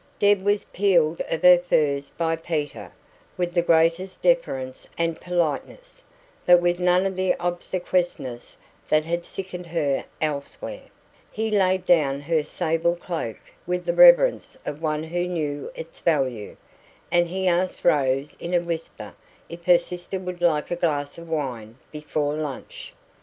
Deb was peeled of her furs by Peter, with the greatest deference and politeness, but with none of the obsequiousness that had sickened her elsewhere; he laid down her sable cloak with the reverence of one who knew its value, and he asked Rose in a whisper if her sister would like a glass of wine before lunch.